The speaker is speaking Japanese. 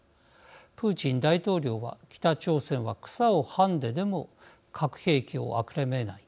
プーチン大統領は北朝鮮は草をはんででも核兵器を諦めない。